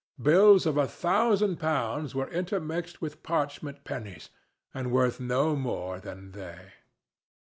Bills of a thousand pounds were intermixed with parchment pennies, and worth no more than they.